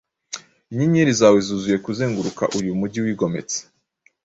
inyenyeri zawe zuzuye kuzenguruka uyu mujyi wigometse,